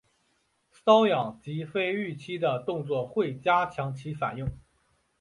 搔痒及非预期的动作会加强其反应。